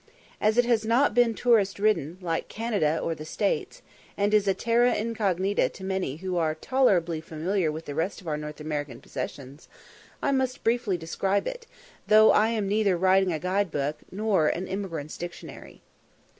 As it has not been tourist ridden, like Canada or the States, and is a terra incognita to many who are tolerably familiar with the rest of our North American possessions, I must briefly describe it, though I am neither writing a guide book nor an emigrant's directory.